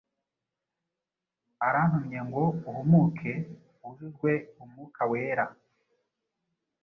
arantumye ngo uhumuke wuzuzwe Umwuka Wera.